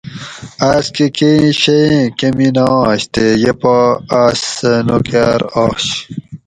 آۤس کہ کئ شئ ایں کمی نہ آش تے یہ پا آۤس سہۤ نوکاۤر آش